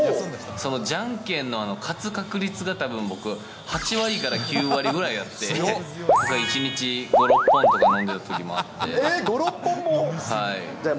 そのじゃんけんの勝つ確率がたぶん僕、８割から９割ぐらいあって、１日に５、６本とか飲んでえー、５、６本も。